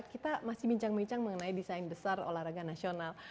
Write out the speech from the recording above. kita masih bincang bincang mengenai desain besar olahraga nasional